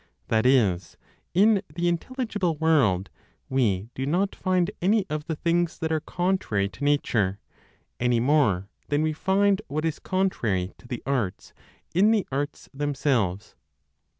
That is, in the intelligible world we do not find any of the things that are contrary to nature, any more than we find what is contrary to the arts in the arts themselves.